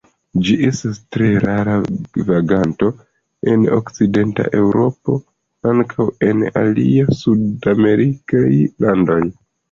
Ĝi estas tre rara vaganto en okcidenta Eŭropo; ankaŭ en aliaj sudamerikaj landoj.